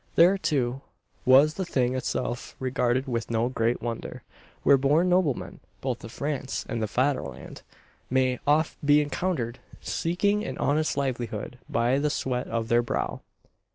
There, too, was the thing itself regarded with no great wonder; where "born noblemen," both of France and the "Faderland," may oft be encountered seeking an honest livelihood by the sweat of their brow.